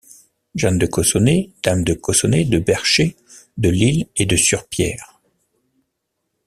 Jeanne de Cossonay, dame de Cossonay, de Bercher, de L'Isle et de Surpierre.